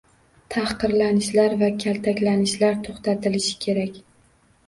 Tahqirlanishlar va kaltaklanishlar to‘xtatilishi kerak!